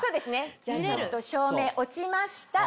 じゃちょっと照明落ちました。